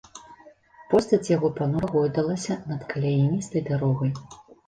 Постаць яго панура гойдалася над каляіністай дарогай.